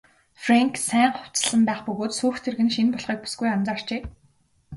Фрэнк сайн хувцасласан байх бөгөөд сүйх тэрэг нь шинэ болохыг бүсгүй анзаарчээ.